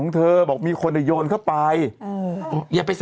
เหลิปเพราะตกใจ